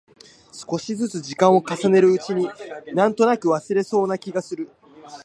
少しづつ時間を重ねるうちに、なんとなく忘れられそうな気がする。